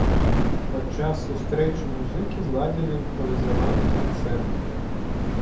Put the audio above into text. Падчас сустрэчы музыкі зладзілі імправізаваны канцэрт.